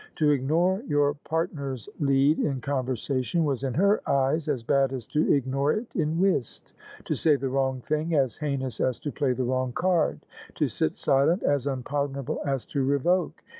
To ig nore your partner's lead in conversation was in her eyes as bad as to ignore it in whist: to say the wrong thing, as heinous as to play the wrong card : to sit silent, as unpardon able as to revoke.